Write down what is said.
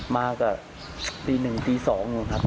มาก็ตีหนึ่งตีสองเนาะครับ